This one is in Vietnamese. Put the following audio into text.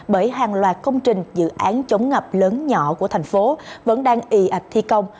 bởi hàng loạt công trình dự án chống ngập lớn nhỏ của thành phố vẫn đang y ạch thi công